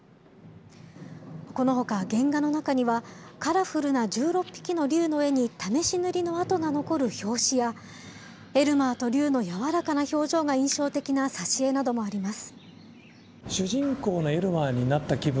このほか原画の中には、カラフルな１６ぴきのりゅうの絵に試し塗りの跡が残る表紙や、エルマーとりゅうの柔らかな表情が印象的な挿絵などもあります。